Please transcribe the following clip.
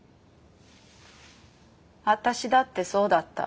私だってそうだった。